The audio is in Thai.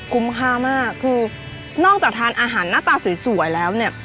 ค่ามากคือนอกจากทานอาหารหน้าตาสวยแล้วเนี่ย